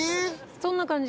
そんな感じ。